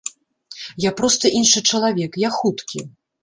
Я проста іншы чалавек, я хуткі.